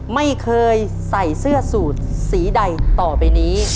ไม่เคยใส่เสื้อสูตรสีใดต่อไปนี้